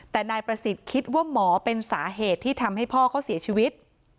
แต่นายประสิทธิ์คิดว่าหมอเป็นสาเหตุที่ทำให้พ่อเขาเสียชีวิต